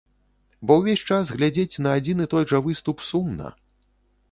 Бо ўвесь час глядзець на адзін і той жа выступ сумна.